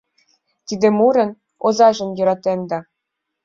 Тиде мурын озажым йӧратем да.